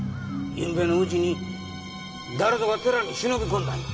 ゆうべのうちに誰ぞが寺に忍び込んだんや。